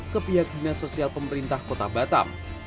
ke pihak dinas sosial pemerintah kota batam